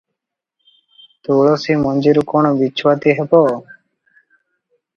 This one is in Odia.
ତୁଳସୀ ମଞ୍ଜିରୁ କଣ ବିଛୁଆତି ହେବ?